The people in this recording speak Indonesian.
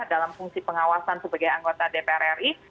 dalam fungsi pengawasan sebagai anggota dpr ri